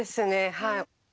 はい。